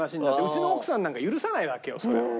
うちの奥さんなんか許さないわけよそれを。